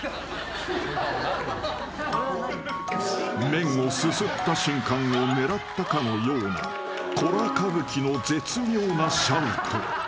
［麺をすすった瞬間を狙ったかのようなコラ歌舞伎の絶妙なシャウト］